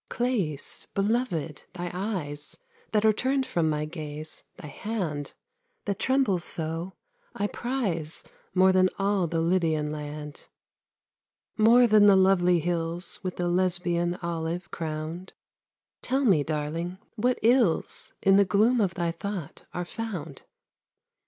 Clëis, beloved, thy eyes That are turned from my gaze, thy hand That trembles so, I prize More than all the Lydian land; More than the lovely hills With the Lesbian olive crowned; Tell me, darling, what ills In the gloom of thy thought are found?